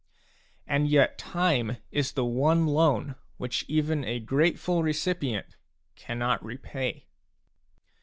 And yet time is the one loan which even a grateful recipient cannot repay.